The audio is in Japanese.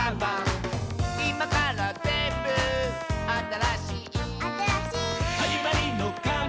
「いまからぜんぶあたらしい」「あたらしい」「はじまりのかねが」